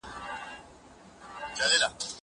زه به مېوې وچولي وي!